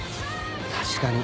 確かに。